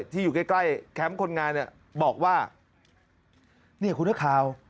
ที่อยู่ใกล้แคมป์คนงานเนี่ยบอกว่าเนี่ยคุณนักข่าว